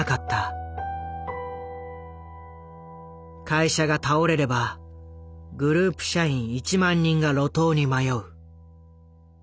会社が倒れればグループ社員１万人が路頭に迷う。